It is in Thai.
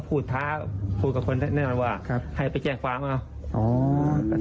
พูดท้าพูดกับคนเป็นนั่นหน่อยวะให้ไปแจ้งความอ่อน